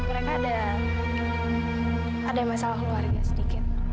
mereka ada masalah keluarga sedikit